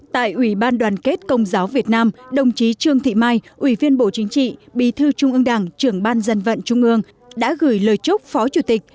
tại ủy ban đoàn kết công giáo việt nam đồng chí trương thị mai ủy viên bộ chính trị bí thư trung ương đảng trưởng ban dân vận trung ương đã gửi lời chúc phó chủ tịch